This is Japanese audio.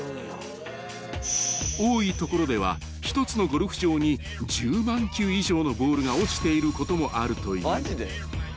［多い所では１つのゴルフ場に１０万球以上のボールが落ちていることもあるという］